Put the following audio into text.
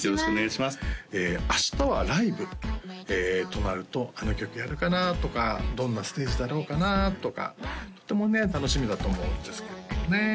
明日はライブとなると「あの曲やるかな」とか「どんなステージだろうかな」とかとてもね楽しみだと思うんですけれどもね